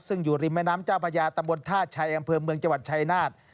ซึ่งอยู่ริมแม่น้ำเจ้าพญาตำบลท่าชัยอำเภอเมืองจังหวัดชายนาฏ